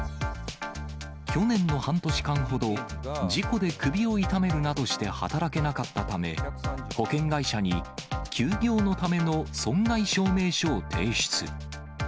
去年の半年間ほど、事故で首を痛めるなどして働けなかったため、保険会社に休業のための損害証明書を提出。